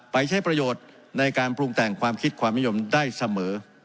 ใช้ประโยชน์ในการปรุงแต่งความคิดความนิยมได้เสมอ